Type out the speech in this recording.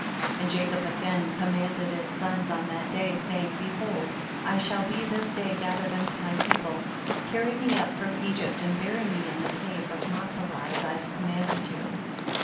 * 10. And Jacob again commanded his sons on that day, saying, behold I shall be this day gathered unto my people ; carry me up from Egypt, and bury me in the cave of Mach pelah as I have commanded you.